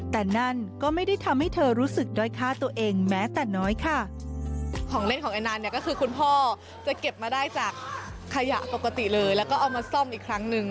แต่นั่นก็ไม่ได้ทำให้เธอรู้สึกด้อยค่าตัวเองแม้แต่น้อยค่ะ